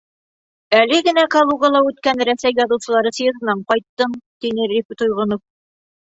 — Әле генә Калугала үткән Рәсәй яҙыусылары съезынан ҡайттым, — тине Риф Тойғонов.